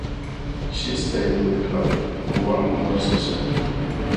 She stayed with the club for one more season.